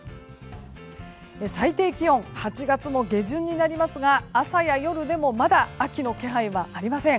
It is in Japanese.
最低気温８月も下旬になりますが朝や夜でもまだ秋の気配はありません。